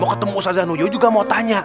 mau ketemu ustadz zanuyo juga mau tanya